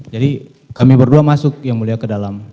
jadi kami berdua masuk yang mulia ke dalam